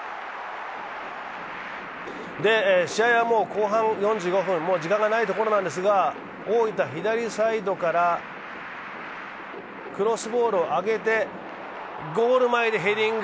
試合はもう後半４５分時間がないところなんですが、大分、左サイドからクロスボールを上げて、ゴール前でヘディング。